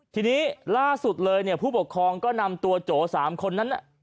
ทีนี้ล่าสุดเลยร์ผู้ปกครองก็นำตัวโจสามคนนั้นอ่ะ